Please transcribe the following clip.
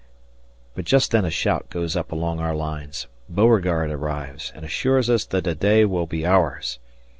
But just then a shout goes up along our lines. Beauregard arrives and assures us that the day will be ours.